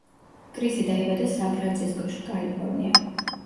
კრისი დაიბადა სან ფრანცისკოში, კალიფორნია.